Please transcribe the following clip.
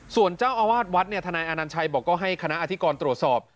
ส่วนเจ้าอาวาสวัดเนี่ยทนายอนัญชัยบอกก็ให้คณะอธิกรตรวจสอบ